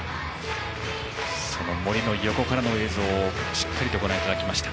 その森の横からの映像をしっかりとご覧いただきました。